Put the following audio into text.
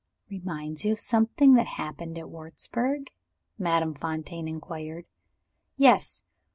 "Reminds you of something that happened at Wurzburg?" Madame Fontaine inquired. "Yes.